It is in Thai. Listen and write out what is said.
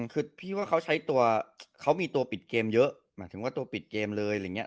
คือพี่ว่าเขาใช้ตัวเขามีตัวปิดเกมเยอะหมายถึงว่าตัวปิดเกมเลยอะไรอย่างนี้